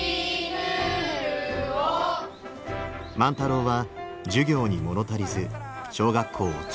万太郎は授業に物足りず小学校を中退します。